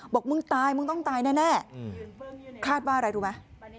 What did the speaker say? บอกมึงตายมึงต้องตายแน่คาดว่าอะไรรู้ไหม